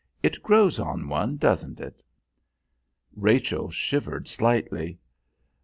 "It grows on one, doesn't it?" Rachel shivered slightly.